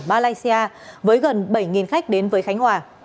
malaysia với gần bảy khách đến với khánh hòa